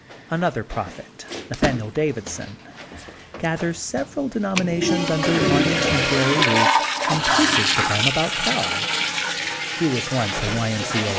Another prophet, Nathanial Davidson, gathers several denominations under one temporary roof, and preaches to them about helL He was once a Y. M. C. A.